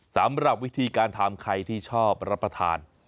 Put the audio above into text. สำหรับวิธีการทำใครที่ชอบรับประทาน